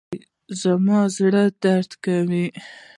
زما زړه درد کوي